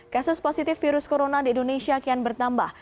kasus positif virus corona di indonesia kian bertambah